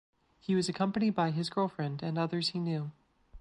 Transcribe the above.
He was accompanied by his girlfriend and others he knew.